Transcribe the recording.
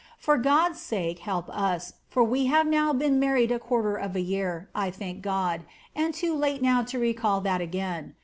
For God's sake help us, for we have now been married a quarter of a year, I thank God, and too late now to recall that again.